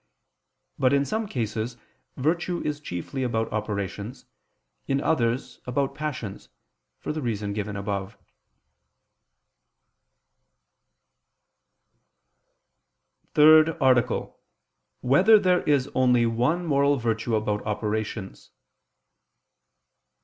But in some cases virtue is chiefly about operations, in others, about passions, for the reason given above. ________________________ THIRD ARTICLE [I II, Q. 60, Art. 3] Whether There Is Only One Moral Virtue About Operations?